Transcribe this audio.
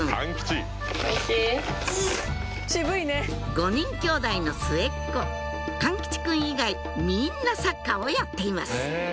５人きょうだいの末っ子貫吉くん以外みんなサッカーをやっています